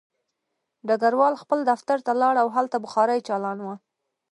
ډګروال خپل دفتر ته لاړ او هلته بخاري چالان وه